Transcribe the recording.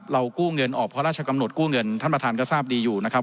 กู้เงินออกพระราชกำหนดกู้เงินท่านประธานก็ทราบดีอยู่นะครับ